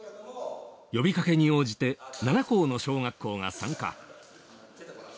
呼びかけに応じて７校の小学校が参加。